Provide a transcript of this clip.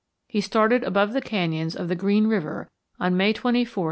He started above the canyons of the Green River on May 24, 1869.